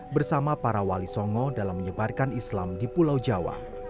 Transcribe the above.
bersama para wali songo dalam menyebarkan islam di pulau jawa